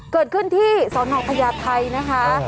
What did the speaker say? เกิดขึ้นที่สนพญาไทยนะคะ